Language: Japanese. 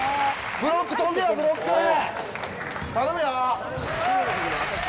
ブロック跳んでよ、ブロック。